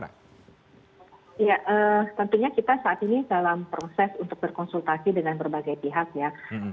ya tentunya kita saat ini dalam proses untuk berkonsultasi dengan berbagai pihak ya